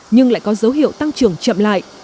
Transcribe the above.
nhưng lại có dấu hiệu tăng trưởng chậm lại